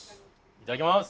いただきます！